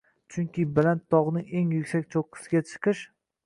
Chunki baland tog'ning eng yuksak cho'qqisiga chiqish